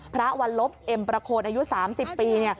วันลบเอ็มประโคนอายุ๓๐ปี